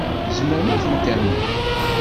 Tzemrem ad ten-ternum.